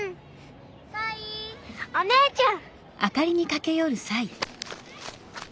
お姉ちゃん！